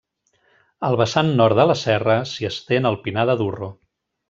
Al vessant nord de la serra, s'hi estén el Pinar de Durro.